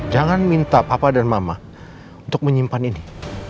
jangan minta papa dan mama untuk menyimpan ini